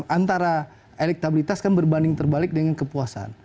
antara elektabilitas kan berbanding terbalik dengan kepuasan